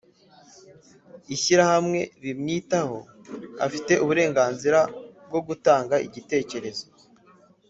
ishyirahamwe bimwitaho. afite uburenganzira bwo gutanga igitekerezo